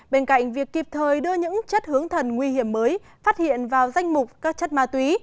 bên cạnh việc kịp thời đưa những chất hướng thần nguy hiểm mới phát hiện vào danh mục các chất ma túy